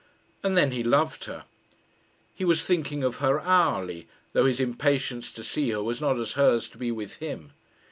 And then he loved her. He was thinking of her hourly, though his impatience to see her was not as hers to be with him.